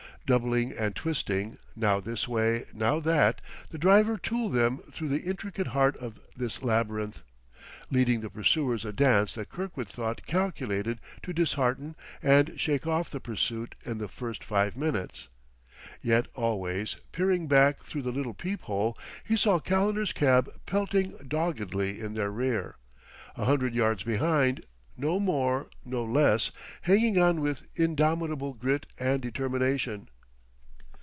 Doubling and twisting, now this way, now that, the driver tooled them through the intricate heart of this labyrinth, leading the pursuers a dance that Kirkwood thought calculated to dishearten and shake off the pursuit in the first five minutes. Yet always, peering back through the little peephole, he saw Calendar's cab pelting doggedly in their rear a hundred yards behind, no more, no less, hanging on with indomitable grit and determination.